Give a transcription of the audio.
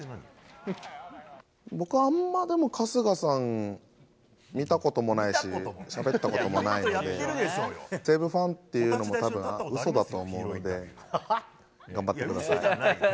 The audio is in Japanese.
僕は、あんま、でも、春日さん、見たこともないし、しゃべったこともないので、西武ファンっていうのも、たぶん、うそだと思うので、頑張ってください。